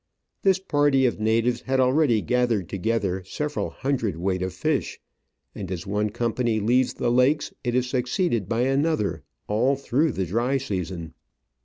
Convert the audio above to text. This party of natives had already gathered together several hundred weight of fish, and as one company leaves the lakes it is succeeded by another, all through the dry season.